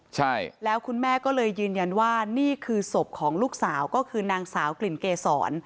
ใช่แล้วคุณแม่ก็เลยยืนยันว่านี่คือศพของลูกสาวก็คือนางสาวกลิ่นเกษร